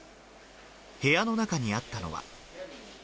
部屋の中にあったのは。